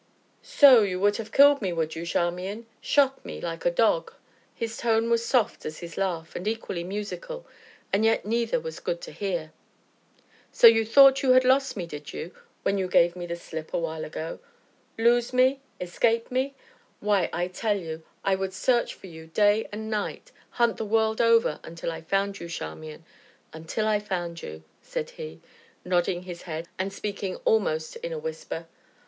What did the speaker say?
"So, you would have killed me, would you, Charmian shot me like a dog?" His tone was soft as his laugh and equally musical, and yet neither was good to hear. "So you thought you had lost me, did you, when you gave me the slip, a while ago? Lose me? Escape me? Why, I tell you, I would search for you day and night hunt the world over until I found you, Charmian until I found you," said he, nodding his head and speaking almost in a whisper.